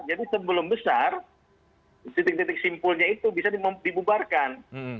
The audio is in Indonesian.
jadi sebelum besar titik titik simpulnya itu bisa dibubarkan